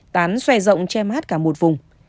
tán xòe rộng che mát cả một vùng